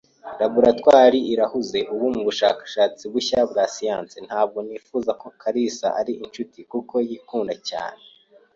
Laboratoire irahuze ubu mubushakashatsi bushya bwa siyansi. Ntabwo nifuza ko Karasiraari inshuti kuko yikunda cyane.